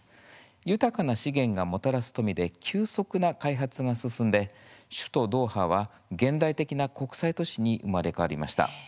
豊かな資源がもたらす富で急速な開発が進んで首都ドーハは現代的な国際都市に生まれ変わりました。